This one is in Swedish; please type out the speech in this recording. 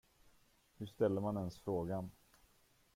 Hur ställer man ens frågan?